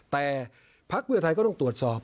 แต่พักเพื่อไทยก็ต้องตรวจสอบ